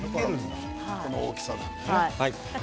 この大きさならね。